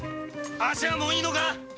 足はもういいのか。